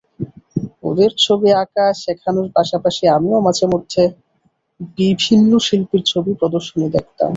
ওদের ছবি আঁকা শেখানোর পাশাপাশি আমিও মাঝেমধ্যে বিভিন্ন শিল্পীর ছবি প্রদর্শনী দেখতাম।